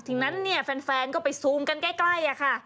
จากนั้นเนี่ยแฟนก็ไปซูมกันใกล้ค่ะ